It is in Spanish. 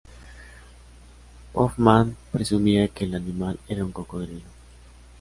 Hoffmann presumía que el animal era un cocodrilo.